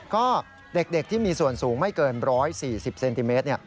ก็เด็กที่มีส่วนสูงไม่เกิน๑๔๐เซนติเมตร